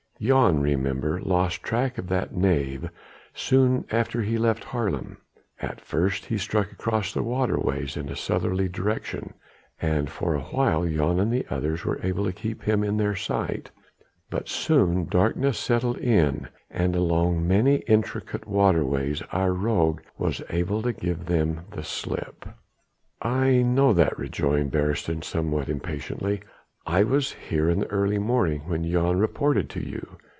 Jan, remember, lost track of that knave soon after he left Haarlem. At first he struck across the waterways in a southerly direction and for awhile Jan and the others were able to keep him in sight. But soon darkness settled in and along many intricate backwaters our rogue was able to give them the slip." "I know that," rejoined Beresteyn somewhat impatiently. "I was here in the early morning when Jan reported to you.